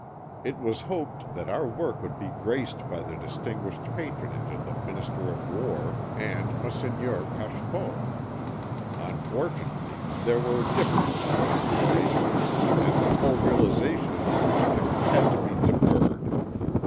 It was hoped that our work would be graced by the distinguished patronage of the Minister of War and Monseigneur Cachepot. Unfortunately there were difficulties in the way, and the full realisation of the project had to be deferred.